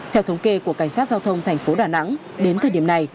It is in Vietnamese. theo thống kê của cảnh sát giao thông thành phố đà nẵng đến thời điểm này